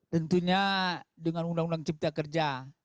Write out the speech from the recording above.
tentunya dengan undang undang cipta kerja